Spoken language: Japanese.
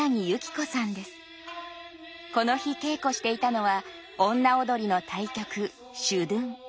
この日稽古していたのは女踊の大曲「諸屯」。